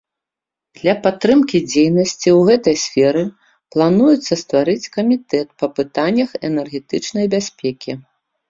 Для падтрымкі дзейнасці ў гэтай сферы плануецца стварыць камітэт па пытаннях энергетычнай бяспекі.